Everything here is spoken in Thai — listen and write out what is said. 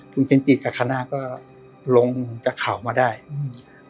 คุณเท้นที่กลาคะน่าก็ลงจากเขามาได้อืม